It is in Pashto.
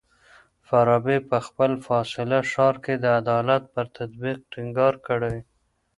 فارابي په خپل فاضله ښار کي د عدالت پر تطبيق ټينګار کړی.